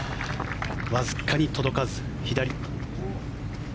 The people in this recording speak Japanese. わずかに届かず、左。